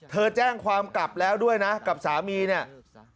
เธอแจ้งความกลับแล้วด้วยนะกับสามีเนี่ย